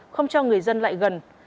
không cho người dân lại gần